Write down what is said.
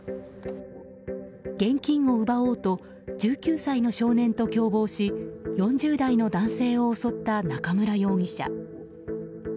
現金を奪おうと１９歳の少年と共謀し４０代の男性を襲った中村容疑者。